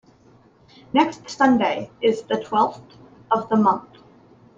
Next Sunday is the twelfth of the month.